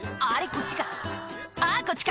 こっちかあぁこっちか」